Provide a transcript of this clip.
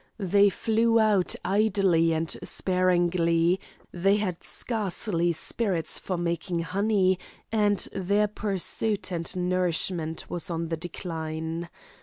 They flew out idly and sparingly, they had scarcely spirits for making honey, and their pursuit and nourishment was on the decline.